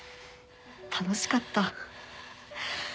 楽しかった。